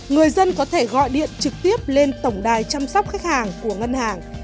người dân có thể gọi điện trực tiếp lên tổng đài chăm sóc khách hàng của ngân hàng